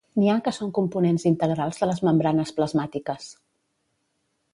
N'hi ha que són components integrals de les membranes plasmàtiques.